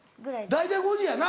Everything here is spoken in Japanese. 大体５時やな。